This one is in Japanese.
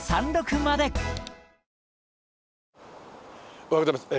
おはようございます。